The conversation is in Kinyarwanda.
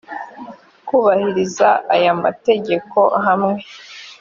kubahiriza aya mategeko hamwe